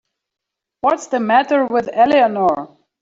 What's the matter with Eleanor?